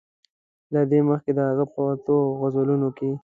له دې مخکې د هغه په اتو غزلونو کې.